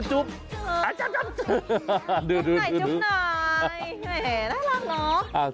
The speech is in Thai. จุ๊บไหนน่ารักหรอ